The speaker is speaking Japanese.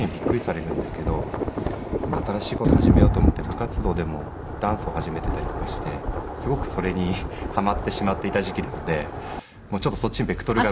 新しい事始めようと思って部活動でもダンスを始めていたりとかしてすごくそれにハマってしまっていた時期なのでちょっとそっちにベクトルが。